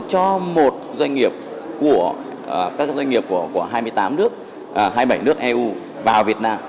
cho một doanh nghiệp của các doanh nghiệp của hai mươi tám nước hai mươi bảy nước eu vào việt nam